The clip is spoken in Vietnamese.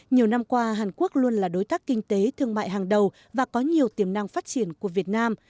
nhiều năm qua hàn quốc luôn là đối tác kinh tế thương mại hàng đầu và có nhiều tiềm năng phát triển của việt nam